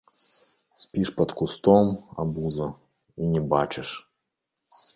Спіш пад кустом, абуза, і не бачыш!